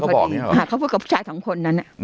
เขาบอกอย่างนี้หรอหากเขาพูดกับผู้ชายสองคนนั้นน่ะ